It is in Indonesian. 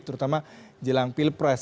terutama jelang pilpres